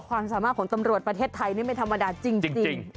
ความสามารถของตำรวจประเทศไทยนี่ไม่ธรรมดาจริง